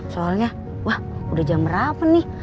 soalnya wah udah jam berapa nih